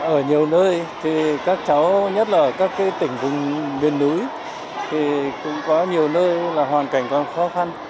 ở nhiều nơi thì các cháu nhất là các tỉnh vùng miền núi thì cũng có nhiều nơi là hoàn cảnh còn khó khăn